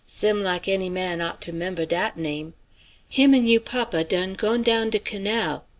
Sim like any man ought to 'member dat name. Him an' you papa done gone down de canal.